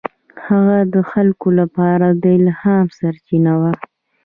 هغه د خلکو لپاره د الهام سرچینه وه.